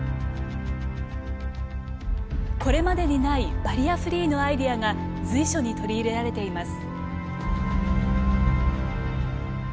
これまでにないバリアフリーのアイデアが随所に取り入れられています。